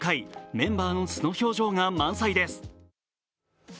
メンバーの素の表情が満載です。